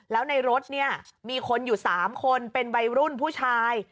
แล้วในรถเนี่ยมีคนอยู่๓คนเป็นวัยรุ่นผู้ชาย